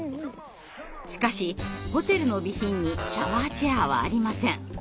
しかしホテルの備品にシャワーチェアはありません。